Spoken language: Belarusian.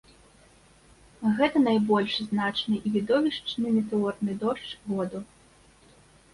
Гэта найбольш значны і відовішчны метэорны дождж году.